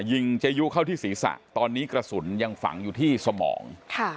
ยิงเจยุเข้าที่ศีรษะตอนนี้กระสุนยังฝังอยู่ที่สมอง